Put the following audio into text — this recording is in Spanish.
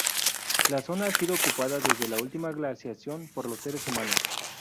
La zona ha sido ocupada desde la última glaciación por los seres humanos.